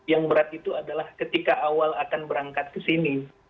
yang berat itu adalah ketika awal akan berangkat ke sini